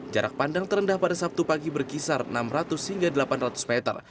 jarak pandang terendah pada sabtu pagi berkisar enam ratus hingga delapan ratus meter